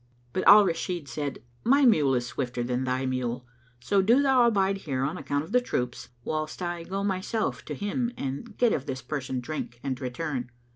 But Al Rashid said, "My mule is swifter than thy mule; so do thou abide here, on account of the troops, whilst I go myself to him and get of this person [FN#219] drink and return."